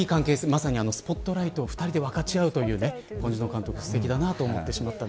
まさにスポットライトを２人で分かち合うというポン・ジュノ監督素敵だなと思ってしまった。